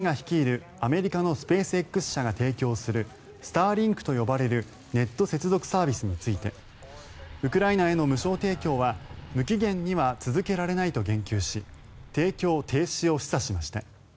実業家のイーロン・マスク氏は１４日自身が率いる、アメリカのスペースＸ社が提供するスターリンクと呼ばれるネット接続サービスについてウクライナへの無償提供は無期限には続けられないと言及し提供停止を示唆しました。